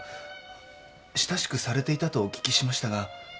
親しくされていたとお聞きしましたが。